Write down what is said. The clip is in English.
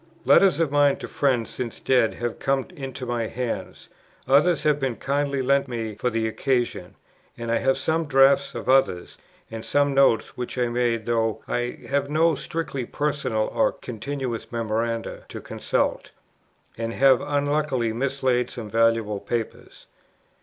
Letters of mine to friends since dead have come into my hands; others have been kindly lent me for the occasion; and I have some drafts of others, and some notes which I made, though I have no strictly personal or continuous memoranda to consult, and have unluckily mislaid some valuable papers.